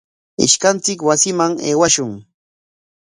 Ishkanchik wasiman aywashun.